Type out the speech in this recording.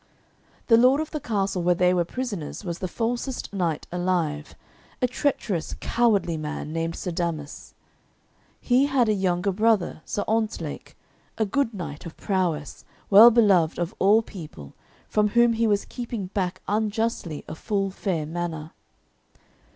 The lord of the castle where they were prisoners was the falsest knight alive, a treacherous, cowardly man, named Sir Damas. He had a younger brother, Sir Ontzlake, a good knight of prowess, well beloved of all people, from whom he was keeping back unjustly a full fair manor.